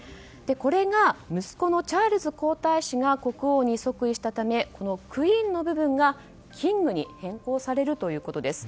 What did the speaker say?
これが息子のチャールズ皇太子が国王に即位したためこのクイーンの部分がキングに変更されるということです。